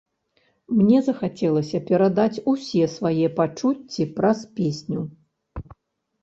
Мне захацелася перадаць усе свае пачуцці праз песню.